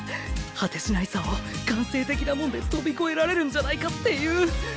果てしない差を感性的なもんで飛び越えられるんじゃないかっていう。